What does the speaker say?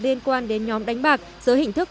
liên quan đến nhóm đánh bạc giữa hình thức